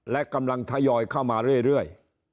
และกำลังทยอยเข้ามาเรื่อย